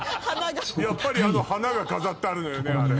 やっぱりあの花が飾ってあるのよね。